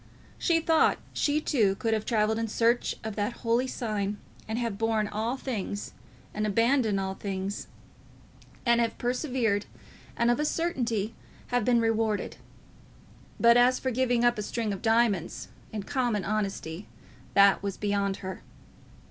She thought she too could have travelled in search of that holy sign, and have borne all things, and abandoned all things, and have persevered, and of a certainty have been rewarded. But as for giving up a string of diamonds, in common honesty, that was beyond her.